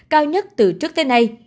cao nhất từ trước tới nay